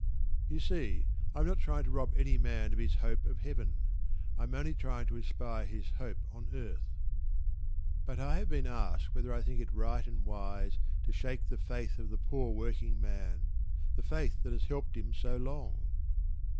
You see, I am not trying to rob any man of his hope of Heaven; I am only trying to inspire his hope on earth. But I have been asked whether I think it right and wise to "shake the faith of the poor working man the faith that has helped him so long."